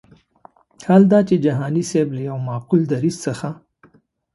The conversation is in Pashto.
حال دا چې جهاني صاحب له یو معقول دریځ څخه.